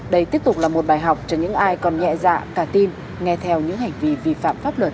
đây tiếp tục là một bài học cho những ai còn nhẹ dạ cả tin nghe theo những hành vi vi phạm pháp luật